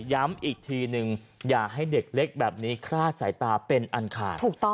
ย้ำอีกทีนึงอย่าให้เด็กเล็กแบบนี้คลาดสายตาเป็นอันขาด